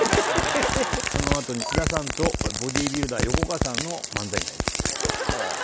そのあとに津田さんとボディービルダー横川さんの漫才になります。